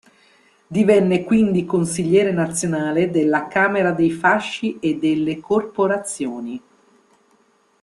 Divenne quindi consigliere nazionale della Camera dei Fasci e delle Corporazioni.